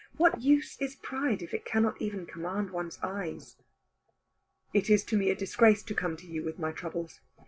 What use is pride if it cannot even command one's eyes? "It is to me a disgrace to come to you with my troubles.